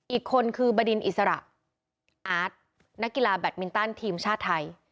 อีกคนคือบดินอิสระอาร์ตนักกีฬาแบตมินตันทีมชาติไทย